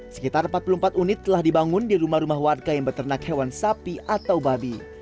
sekitar empat puluh empat unit telah dibangun di rumah rumah warga yang beternak hewan sapi atau babi